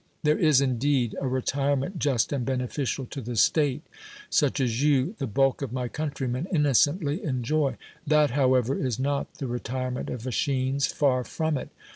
There is indeed a retirement just and beneficial to the state, such as you, the bulk of my countrymen, innocently enjoy; that however is not the retirement of ^lilschines ; far from it.